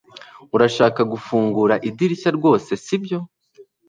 urashaka gufungura idirishya? rwose sibyo